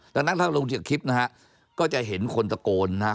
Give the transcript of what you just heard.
ดังนั้นถ้าลงจากคลิปนะฮะก็จะเห็นคนตะโกนนะครับ